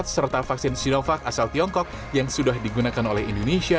serta vaksin sinovac asal tiongkok yang sudah digunakan oleh indonesia